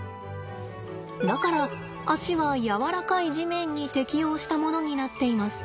だから足は柔らかい地面に適応したものになっています。